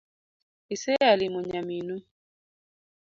Isea limo nyaminu